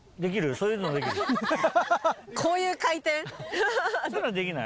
そういうのはできない？